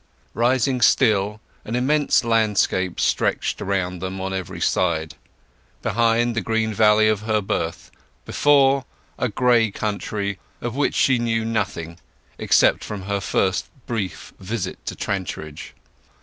Rising still, an immense landscape stretched around them on every side; behind, the green valley of her birth, before, a gray country of which she knew nothing except from her first brief visit to Trantridge.